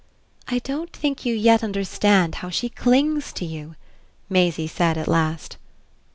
"I don't think you yet understand how she clings to you," Maisie said at last.